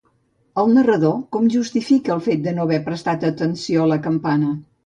El narrador, com justifica el fet de no haver prestat atenció a la Campana?